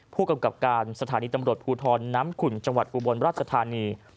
ผู้กำกับการสถานีตำรวจภูทรน้ำขุ่นจังหวัดอุบลราชธานี